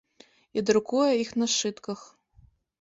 І друкуе іх на сшытках.